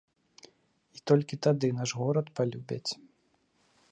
І толькі тады наш горад палюбяць.